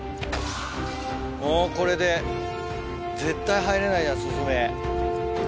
もうこれで絶対入れないよスズメ。